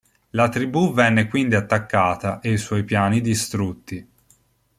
La tribù venne quindi attaccata e i suoi piani distrutti.